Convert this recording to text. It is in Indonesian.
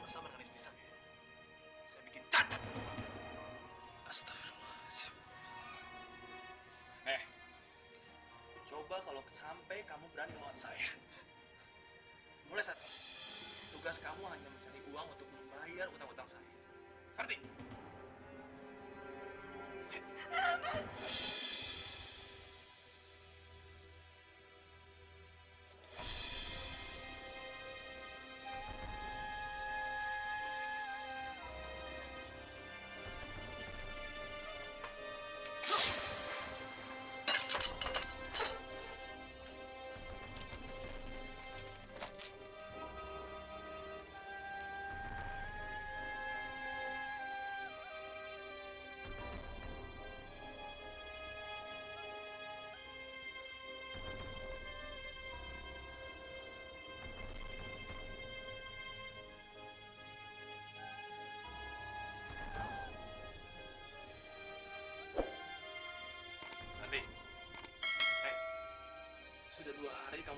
sampai jumpa di video selanjutnya